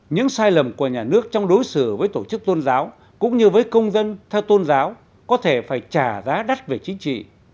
những sai lầm của nhà nước trong đối xử với tổ chức tôn giáo cũng như với công dân theo tôn giáo có thể phải trả giá đắt về chính trị